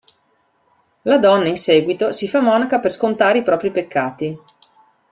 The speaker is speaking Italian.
La donna in seguito si fa monaca per scontare i propri peccati.